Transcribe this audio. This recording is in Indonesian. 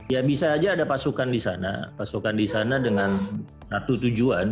ya bisa saja ada pasukan di sana pasukan di sana dengan satu tujuan